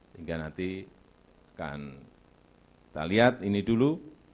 hingga nanti akan kita lihat ini dulu